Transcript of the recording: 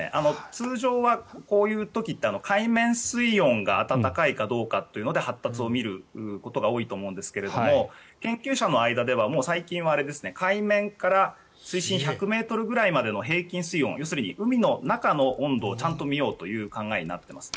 通常はこういう時って海面水温が暖かいかどうかというので発達を見ることが多いと思うんですが研究者の間では海面から水深１００ｍくらいまでの平均水温要するに海の中の温度をちゃんと見ようという考えになっています。